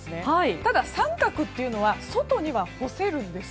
ただ、三角っていうのは外には干せるんです。